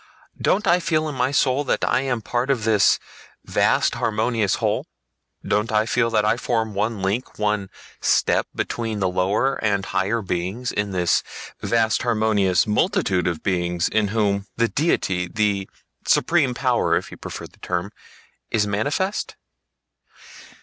Don't I feel in my soul that I am part of this vast harmonious whole? Don't I feel that I form one link, one step, between the lower and higher beings, in this vast harmonious multitude of beings in whom the Deity—the Supreme Power if you prefer the term—is manifest?